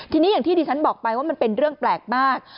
ทีนี้อย่างที่ดิฉันบอกไปว่ามันเป็นเรื่องแปลกมาก